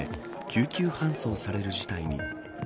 救急搬送される事態に。